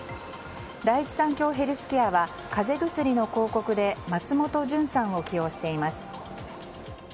第一三共ヘルスケアは風邪薬の広告で松本潤さんを起用しています。